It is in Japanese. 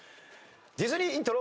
ディズニーイントロ。